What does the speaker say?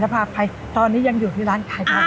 ว่าเป็นยังงนั้น